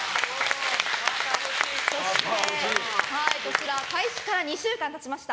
そして開始から２週間経ちました。